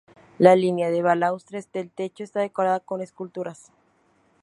La línea de balaustres del techo está decorada con esculturas.